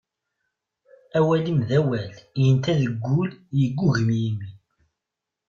Awal-im d awal, yenta deg ul, yeggugem yimi.